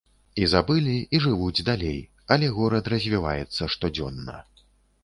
І забылі, і жывуць далей, але горад развіваецца штодзённа.